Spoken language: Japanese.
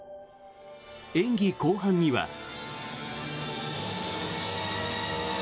演技後半には。